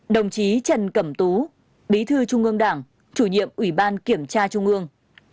hai mươi bốn đồng chí trần cẩm tú bí thư trung ương đảng chủ nhiệm ủy ban kiểm tra trung ương